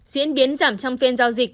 diễn biến giảm trong phiên giao dịch